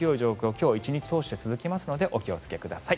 今日１日通して続きますのでお気をつけください。